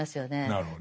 なるほど。